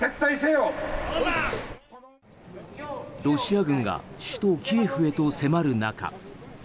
ロシア軍が首都キエフへと迫る中